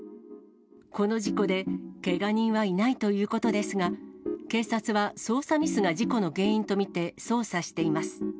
この事故で、けが人はいないということですが、警察は操作ミスが事故の原因と見て、捜査しています。